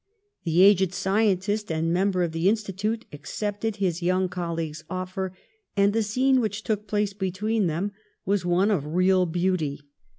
The aged scientist and member of the Institute accepted his young colleague's offer, and the scene which took place between them was one of real beauty.